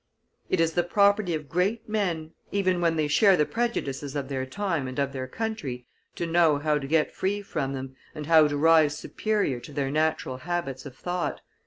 It is the property of great men, even when they share the prejudices of their time and of their country, to know how to get free from them, and how to rise superior to their natural habits of thought.